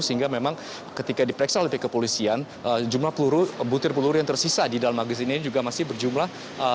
sehingga memang ketika diperiksa oleh pihak kepolisian jumlah butir peluru yang tersisa di dalam magis ini juga masih berjumlah